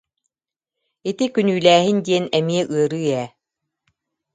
Ити күнүүлээһин диэн эмиэ ыарыы ээ